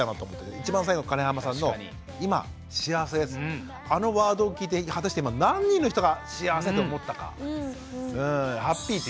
一番最後の金濱さんの「今幸せです」あのワードを聞いて果たして今何人の人が幸せって思ったか。